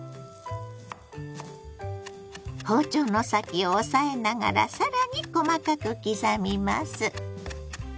包丁の先を押さえながら更に細かく刻みます。